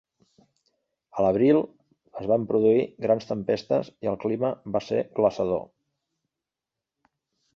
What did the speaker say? A l'abril es van produir grans tempestes i el clima va ser glaçador.